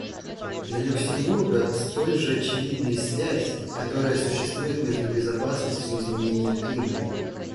Для Люксембурга столь же очевидна и связь, которая существует между безопасностью и изменением климата.